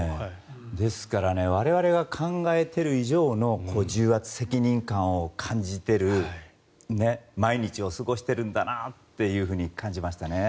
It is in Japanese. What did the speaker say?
ですから我々が考えている以上の重圧、責任感を感じている毎日を過ごしているんだなと感じましたね。